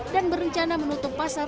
dan berencana menutup pasar